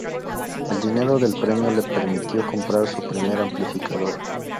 El dinero del premio le permitió comprar su primer amplificador.